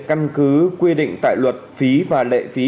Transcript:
căn cứ quy định tại luật phí và lệ phí